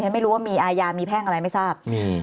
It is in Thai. ไม่รู้ว่ามีอายามีแพ่งอะไรไม่ทราบ